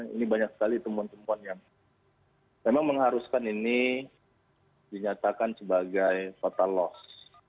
ini banyak sekali temuan temuan yang memang mengharuskan ini dinyatakan sebagai total loss